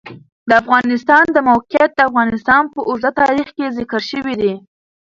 د افغانستان د موقعیت د افغانستان په اوږده تاریخ کې ذکر شوی دی.